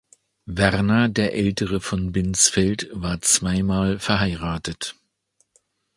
Werner der Ältere von Binsfeld war zweimal verheiratet.